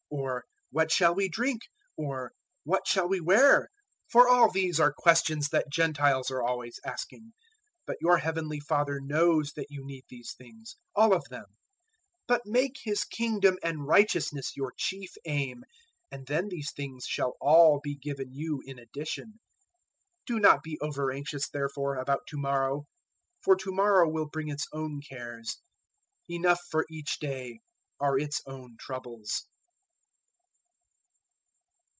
or `What shall we drink?' or `What shall we wear?' 006:032 For all these are questions that Gentiles are always asking; but your Heavenly Father knows that you need these things all of them. 006:033 But make His Kingdom and righteousness your chief aim, and then these things shall all be given you in addition. 006:034 Do not be over anxious, therefore, about to morrow, for to morrow will bring its own cares. Enough for each day are its own troubles.